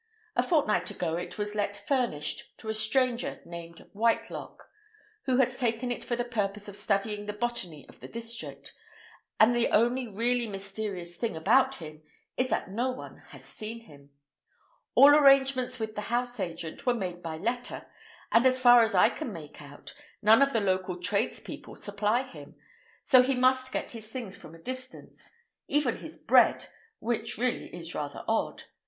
A fortnight ago it was let furnished to a stranger named Whitelock, who has taken it for the purpose of studying the botany of the district; and the only really mysterious thing about him is that no one has seen him. All arrangements with the house agent were made by letter, and, as far as I can make out, none of the local tradespeople supply him, so he must get his things from a distance—even his bread, which really is rather odd.